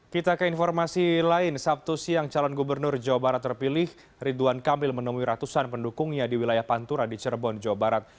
kita ke informasi lain sabtu siang calon gubernur jawa barat terpilih ridwan kamil menemui ratusan pendukungnya di wilayah pantura di cirebon jawa barat